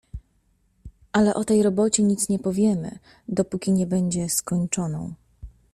"Ale o tej robocie nic nie powiemy, dopóki nie będzie skończoną."